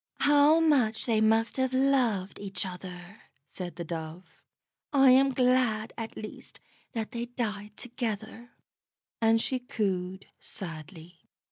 "How much they must have loved each other!" said the Dove. "I am glad at least that they died together," and she cooed sadly.